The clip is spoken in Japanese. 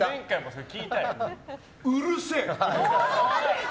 うるせえ！